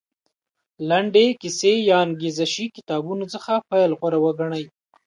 لنډې کیسې یا انګېزه شي کتابونو څخه پیل غوره وګڼي.